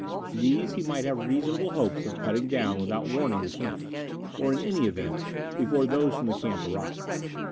These he might have reasonable hopes of cutting down without warning the camp, or, in any event, before those from the camp arrived.